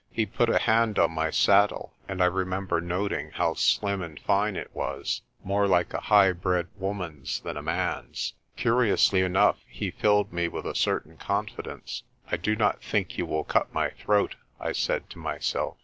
He put a hand on my saddle, and I remember noting how slim and fine it was, more like a high bred woman's than a man's. Curiously enough he filled me with a certain confidence. "I do not think you will cut my throat," I said to myself.